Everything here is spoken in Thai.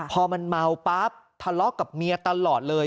พอมันเมาปั๊บทะเลาะกับเมียตลอดเลย